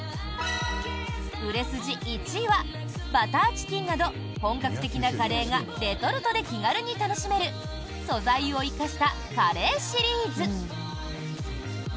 売れ筋１位はバターチキンなど本格的なカレーがレトルトで気軽に楽しめる素材を生かしたカレーシリーズ。